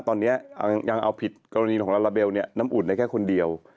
ตอนนี้ยังเอาผิดกรณีของลาลาเบลน้ำอุ่นได้แค่คนเดียว